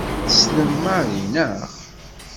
Tessnem Mary, naɣ?